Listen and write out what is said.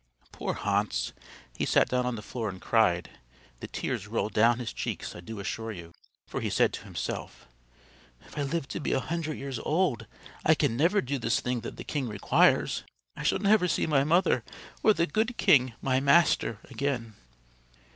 Poor Hans! He sat down on the floor and cried the tears rolled down his cheeks I do assure you for he said to himself: "If I live to be a hundred years old I can never do this thing that the king requires. I shall never see my mother or the good king, my master, again."